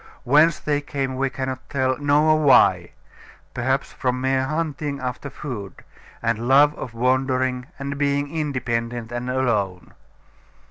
Whence they came we cannot tell, nor why; perhaps from mere hunting after food, and love of wandering and being independent and alone.